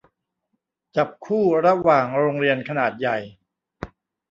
จับคู่ระหว่างโรงเรียนขนาดใหญ่